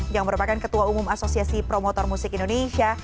yang merupakan ketua umum asosiasi promotor musik indonesia